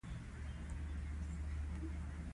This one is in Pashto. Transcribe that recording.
ازتکانو له سویلي امریکا سره اړیکې ټینګې کړې وې.